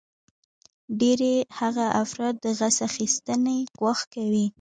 ډیری هغه افراد د غچ اخیستنې ګواښ کوي